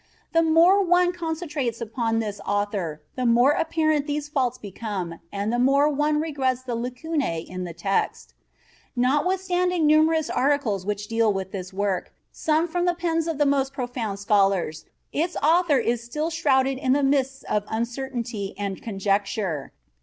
The more one concentrates upon this author, the more apparent these faults become and the more one regrets the lacunae in the text. Notwithstanding numerous articles which deal with this work, some from the pens of the most profound scholars, its author is still shrouded in the mists of uncertainty and conjecture.